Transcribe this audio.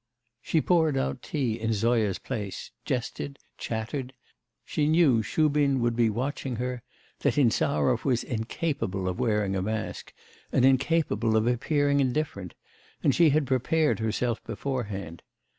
She poured out tea in Zoya's place, jested, chattered; she knew Shubin would be watching her, that Insarov was incapable of wearing a mask, and incapable of appearing indifferent, and she had prepared herself beforehand.